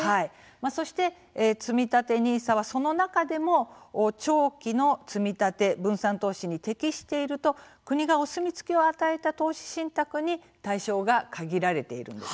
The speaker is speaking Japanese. そしてつみたてＮＩＳＡはその中でも、長期の積み立て分散投資に適していると国がお墨付きを与えた投資信託に対象が限られているんですね。